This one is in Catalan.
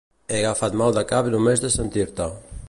He agafat mal de cap només de sentir-te